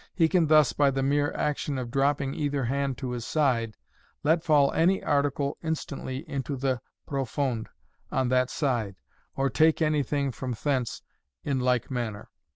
He can thus, by the mere action of dropping either hand to his side, let fall any article instantly into the profonde on that side, or take anything from thence in like manner.